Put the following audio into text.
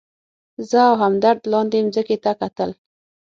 زه او همدرد لاندې مځکې ته کتل.